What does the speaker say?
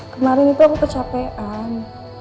kemarin itu aku kecapean